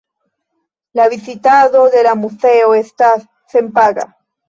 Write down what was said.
La vizitado de la muzeo estas senpaga.